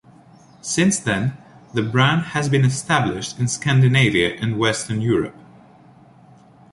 Since then, the brand has been established in Scandinavia and Western Europe.